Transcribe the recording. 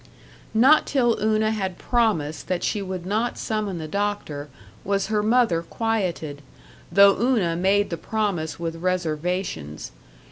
Not till Una had promised that she would not summon the doctor was her mother quieted, though Una made the promise with reservations.